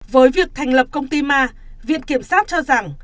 với việc thành lập công ty ma viện kiểm sát cho rằng